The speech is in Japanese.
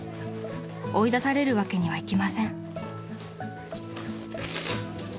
［追い出されるわけにはいきません］